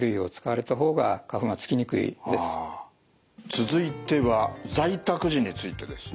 続いては在宅時についてですね。